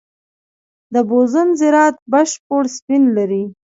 د بوزون ذرات بشپړ سپین لري.